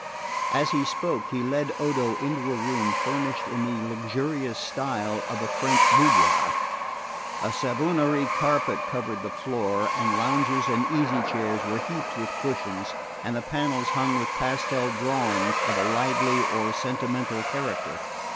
As he spoke he led Odo into a room furnished in the luxurious style of a French boudoir. A Savonnerie carpet covered the floor, the lounges and easy chairs were heaped with cushions, and the panels hung with pastel drawings of a lively or sentimental character.